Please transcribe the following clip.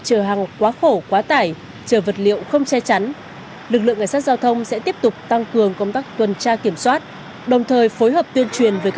chỉ sau ít phút triển khai lực lượng cảnh sát giao thông đã phát hiện tới bảy ô tô tải hô vô